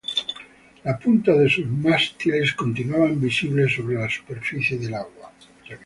La punta de sus mástiles, continuaban visibles sobre la superficie del agua.